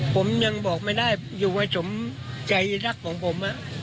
ผมยังบอกไม่ได้อยู่กับสมใจรักของผม